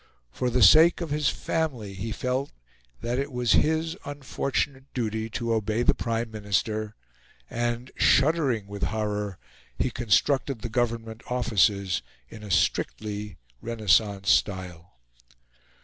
For the sake of his family he felt that it was his unfortunate duty to obey the Prime Minister; and, shuddering with horror, he constructed the Government offices in a strictly Renaissance style.